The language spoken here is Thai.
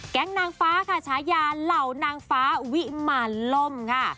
แก๊งนางฟ้าค่ะชายาเหล่านางฟ้าวิหมานลมค่ะ